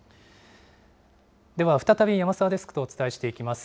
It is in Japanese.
では、再び山澤デスクとお伝えしていきます。